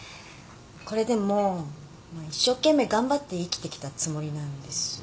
これでも一生懸命頑張って生きてきたつもりなんですよね。